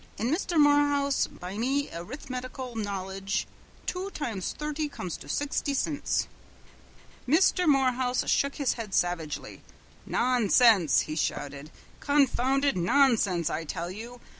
An' Mister Morehouse, by me arithmetical knowledge two times thurty comes to sixty cints." Mr. Morehouse shook his head savagely. "Nonsense!" he shouted, "confounded nonsense, I tell you!